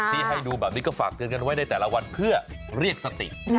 ที่ให้ดูแบบนี้ก็ฝากเตือนกันไว้ในแต่ละวันเพื่อเรียกสติ